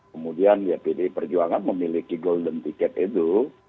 kemudian ya pdi perjuangan memiliki golden ticket itu